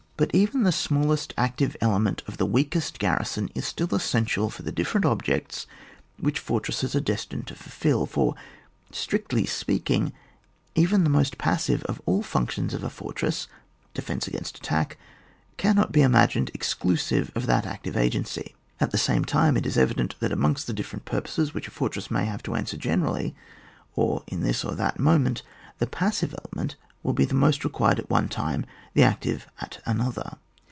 But even the smallest active element of the weakest garrison, is still essential for the different objects which fortresses are destined to ^Ifil, for strictly speaking even the most passive of all the func tions of a fortress (defence against at tack) cannot be imagined excluisive of that active agency. At the same time it is evident that amongst the different purposes which a fortress may have to answer generally, or in this or that moment, the passive element will be most required at one time, the active at another.